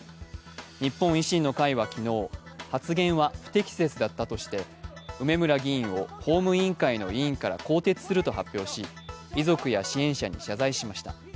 日本維新の会は昨日、発言は不適切だったとして梅村議員を法務委員会の委員から更迭すると発表し遺族や支援者に謝罪しました。